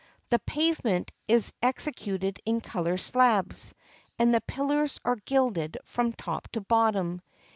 The pavement is executed in colored slabs, and the pillars are gilded from top to bottom.